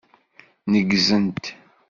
Neggzent.